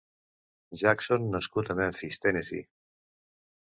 Jackson nascut a Memphis Tennessee.